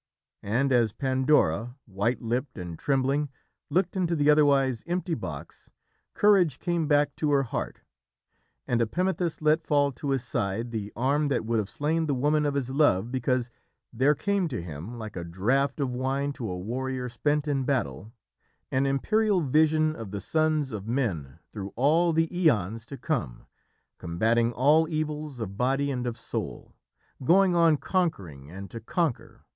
And as Pandora, white lipped and trembling, looked into the otherwise empty box, courage came back to her heart, and Epimethus let fall to his side the arm that would have slain the woman of his love because there came to him, like a draught of wine to a warrior spent in battle, an imperial vision of the sons of men through all the aeons to come, combatting all evils of body and of soul, going on conquering and to conquer.